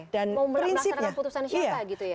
dan prinsipnya mau melaksanakan putusan siapa gitu ya